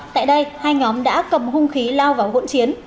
tại đây hai nhóm đã cầm hung khí lao vào hỗn chiến